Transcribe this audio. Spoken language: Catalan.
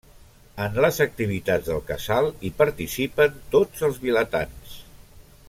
En les activitats del casal hi participen tots els vilatans.